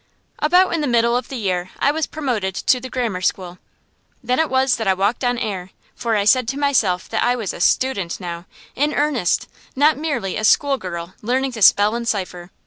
About the middle of the year I was promoted to the grammar school. Then it was that I walked on air. For I said to myself that I was a student now, in earnest, not merely a school girl learning to spell and cipher.